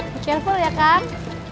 di kerkul ya kang